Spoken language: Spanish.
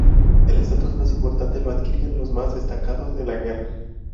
El estatus más importante lo adquirían los más destacados en la guerra.